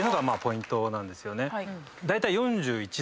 だいたい。